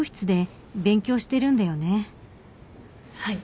はい。